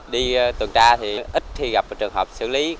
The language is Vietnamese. đi tuần tra thì ít khi gặp trường hợp xử lý